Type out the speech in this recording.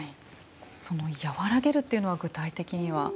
その「やわらげる」っていうのは具体的には？